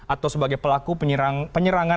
atau sebagai pelaku penyerangan